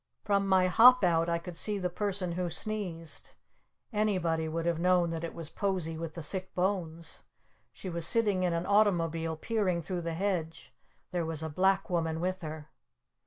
From my hop out I could see the Person Who Sneezed! Anybody would have known that it was Posie with the Sick Bones! She was sitting in an automobile peering through the hedge! There was a black woman with her!